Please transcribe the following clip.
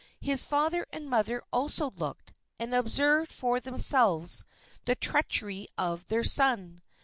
His father and mother also looked, and observed for themselves the treachery of their son.